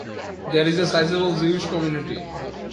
There is a sizable Jewish community.